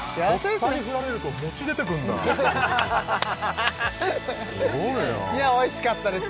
とっさに振られると餅出てくるんだすごいないやおいしかったです